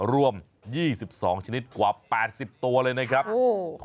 ร่วม๒๒ชนิดกว่า๘๐ตัวเลยนะครับ